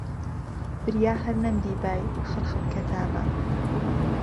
بریا ههر نهمدیبای، خڕخڕ کهتانه